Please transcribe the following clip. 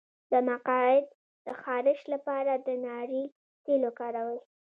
د مقعد د خارش لپاره د ناریل تېل وکاروئ